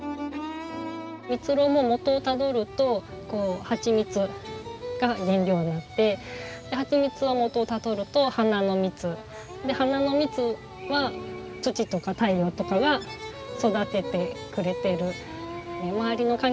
蜜ろうも元をたどるとはちみつが原料になってはちみつは元をたどると花の蜜で花の蜜は土とか太陽とかが育ててくれてる。